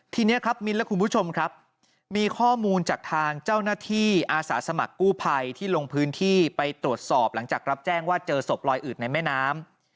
ทีนี้ครับมิ้นและคุณผู้ชมครับมีข้อมูลจากทางเจ้าหน้าที่อาสาสมัครกู้ภัยที่ลงพื้นที่ไปตรวจสอบหลังจากรับแจ้งว่าเจอศพลอยอืดในแม่น้ำ